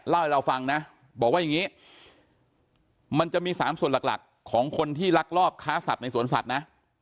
เล่าให้เราฟังนะบอกว่าอย่างนี้มันจะมี๓ส่วนหลักของคนที่ลักลอบค้าสัตว์ในสวนสัตว์นะ